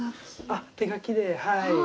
あっ手描きではい。